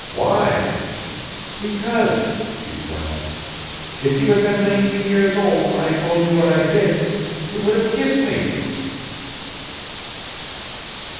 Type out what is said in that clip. "Why?" "Because," she flashed, "if you had been nineteen years old when I told you what I did, you would have kissed me!"